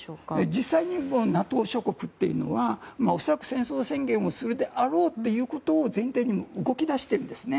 実際にＮＡＴＯ諸国は恐らく戦争宣言をするであろうということを前提に動き出しているんですね。